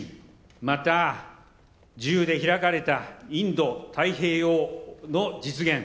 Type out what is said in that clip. また、自由で開かれたインド太平洋の実現。